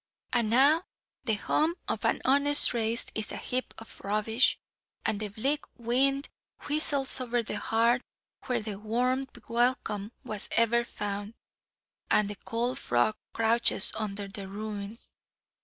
"And now, the home of an honest race is a heap of rubbish; and the bleak wind whistles over the hearth where the warm welcome was ever found; and the cold frog crouches under the ruins.